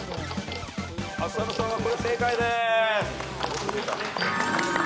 浅野さんはこれ正解です。